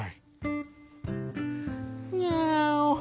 「ニャオ。